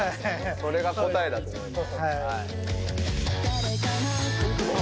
それが答えだと思います。